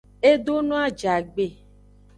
E do no ajagbe.